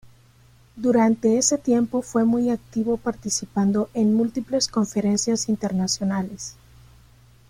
Durante ese tiempo fue muy activo participando en múltiples conferencias internacionales.